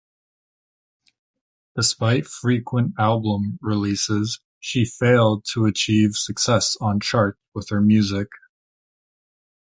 Despite frequent album releases, she failed to achieve success on charts with her music.